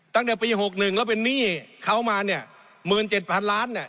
ตั้งแต่ปีหกหนึ่งแล้วไปหนี้เขามาเนี่ยหมื่นเจ็ดพันล้านเนี่ย